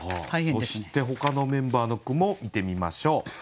そしてほかのメンバーの句も見てみましょう。